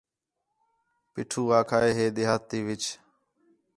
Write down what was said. پیٹھو آکھا ہے ہِے دیہات تی وِچ